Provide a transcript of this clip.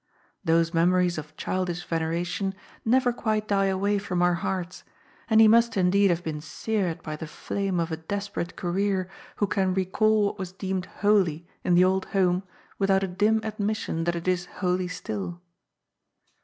Those memories of childish veneration never quite die away from our hearts, and he must indeed have been seared by the fame of a desperate career who can recall what was deemed holy in the old 190 GOD'S POOL. home without a dim admission that it is holy still.